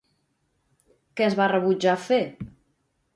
Què es va rebutjar fer?